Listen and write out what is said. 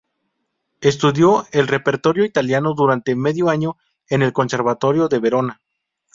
Estudió el repertorio italiano durante medio año en el conservatorio de Verona.